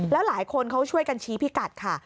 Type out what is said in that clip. แล้วหลายคนเขาช่วยกันชี้พิกัดค่ะ